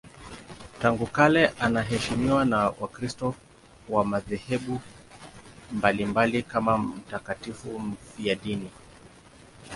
Tangu kale anaheshimiwa na Wakristo wa madhehebu mbalimbali kama mtakatifu mfiadini.